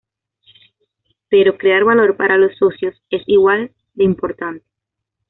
Pero crear valor para los socios es igual de importante.